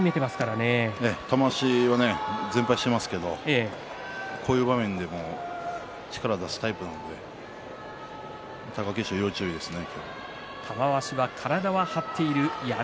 全敗していますがこういう場面で力を出すタイプなので貴景勝は要注意ですね。